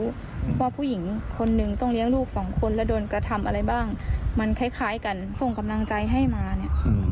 เพราะว่าผู้หญิงคนนึงต้องเลี้ยงลูกสองคนแล้วโดนกระทำอะไรบ้างมันคล้ายกันส่งกำลังใจให้มาเนี่ย